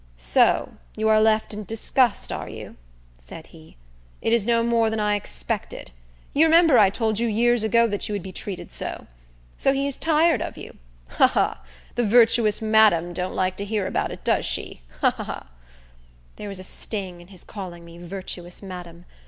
"So you are left in disgust, are you?" said he. "It is no more than I expected. You remember I told you years ago that you would be treated so. So he is tired of you? Ha! ha! ha! The virtuous madam don't like to hear about it, does she? Ha! ha! ha!" There was a sting in his calling me virtuous madam.